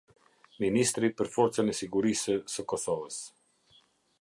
Ministri për Forcën e Sigurisë së Kosovës.